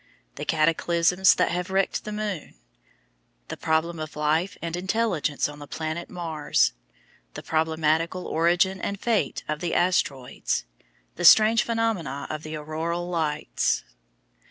The cataclysms that have wrecked the moon. The problem of life and intelligence on the planet Mars. The problematical origin and fate of the asteroids. The strange phenomena of the auroral lights.